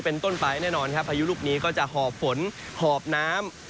เป็นต้นไปแน่นอนครับพายุลูกนี้ก็จะหอบฝนหอบน้ำ